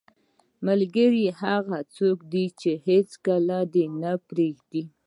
ملګری هغه څوک دی چې هیڅکله دې نه پرېږدي.